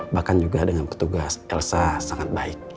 bahkan juga dengan petugas elsa sangat baik